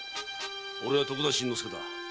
俺は徳田新之助だ。